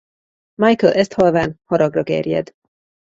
Michael ezt hallván haragra gerjed.